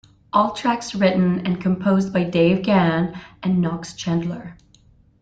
All tracks written and composed by Dave Gahan and Knox Chandler.